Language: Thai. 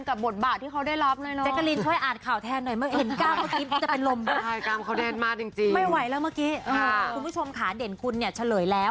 กับบทบาทของเขาได้รับเลย